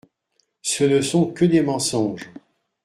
Ce ne sont que des mensonges !